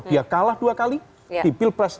dia kalah dua kali di pilpres dua ribu empat belas